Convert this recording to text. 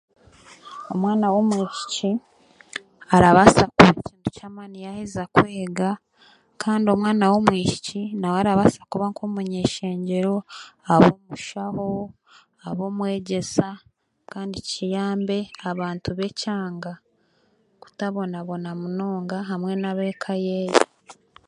Omwana w'omwishiki arabaasa kuba ekintu kyamaani yaaheza kwega kandi omwana w'omwishiki nawe arabaasa kuba abe omunyaishengyero abe omushaho abe omwegyesa kandi kiyambe abantu b'ekyanga kutabonabona munonga hamwe n'abeeka yeeye